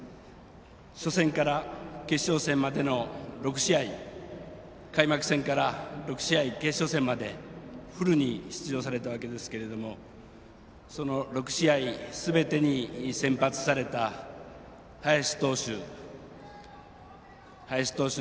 初戦から決勝戦までの６試合、開幕戦から６試合決勝戦までフルに出場されたわけですけどその６試合すべてに先発された林投手。